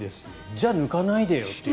じゃあ抜かないでよという。